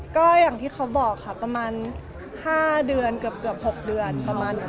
ก็อย่างที่เขาบอกค่ะประมาณ๕เดือนเกือบ๖เดือนประมาณนั้น